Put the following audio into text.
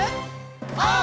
オー！